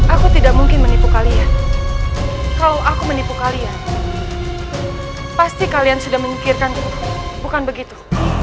aku tidak mungkin menipu kalian kalau aku menipu kalian pasti kalian sudah memikirkan bukan begitu